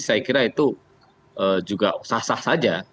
saya kira itu juga sah sah saja